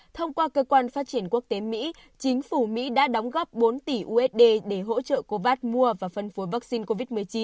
thông qua cơ quan phát triển quốc tế mỹ chính phủ mỹ đã đóng góp bốn tỷ usd để hỗ trợ covas mua và phân phối vaccine covid một mươi chín